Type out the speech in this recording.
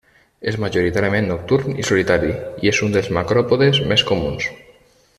És majoritàriament nocturn i solitari i és un dels macròpodes més comuns.